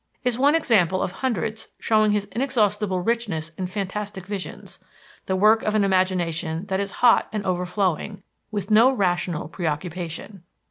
is one example of hundreds showing his inexhaustible richness in fantastic visions: the work of an imagination that is hot and overflowing, with no rational preoccupation.